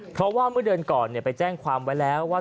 เพราะว่าเมื่อเดือนก่อนไปแจ้งความไว้แล้วว่า